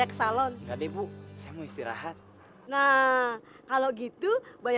coba diperhatiin deh